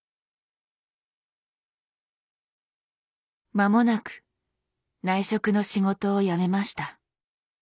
間もなく内職の仕事をやめました。